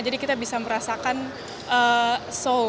jadi kita bisa merasakan soul